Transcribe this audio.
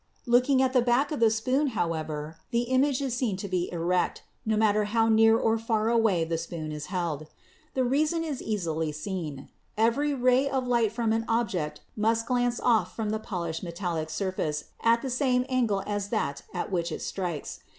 Looking at the back of the spoon, 88 PHYSICS however, the image is seen to be erect, no matter how near or how far away the spoon is held. The reason is easily seen. Every ray of light from an object must glance off from the polished metallic surface at the same angle as that at which it strikes.